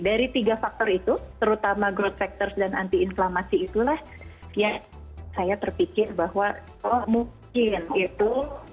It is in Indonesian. dari tiga faktor itu terutama growth factors dan anti inflamasi itulah yang saya terpikir bahwa oh mungkin itu